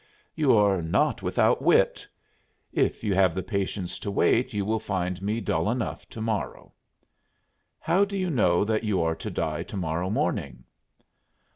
"You are not without wit." "If you have the patience to wait you will find me dull enough to morrow." "How do you know that you are to die to morrow morning?"